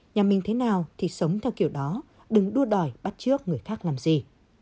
nhà mình thế nào thì sống theo kiểu đó đừng đua đòi bắt trước người khác làm gì